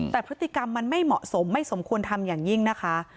แต่พฤติกรรมมันไม่เหมาะสมไม่สมควรทำอย่างยิ่งนะคะ